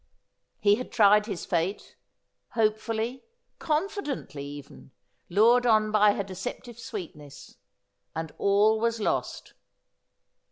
He had tried his fate — hopefully, confidently even — lured on by her deceptive sweetness ; and all was lost.